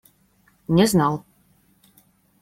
Не знал.